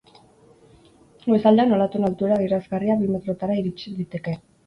Goizaldean, olatuen altuera adierazgarria bi metrotara irits liteke.